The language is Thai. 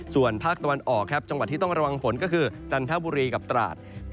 ส่วนภาคตะวันออกครับจังหวัดที่ต้องระวังฝนก็คือจันทบุรีกับตราด